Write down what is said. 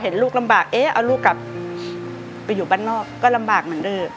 พอเห็นลูกลำบากเออลูกไปอยู่บ้านนอกก็ลำบากเหมือนเดิ